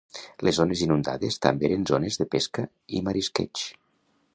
Les zones inundades també eren zones de pesca i marisqueig.